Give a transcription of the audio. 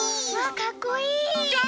かっこいい！